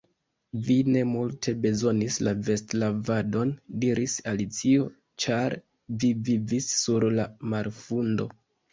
"Vi ne multe bezonis la vestlavadon," diris Alicio "ĉar vi vivis sur la marfundo."